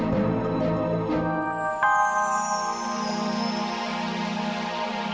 kalau ini punya kasio liking